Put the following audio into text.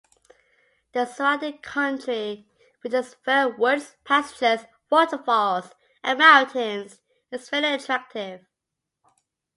The surrounding country, with its fir woods, pastures, waterfalls and mountains, is very attractive.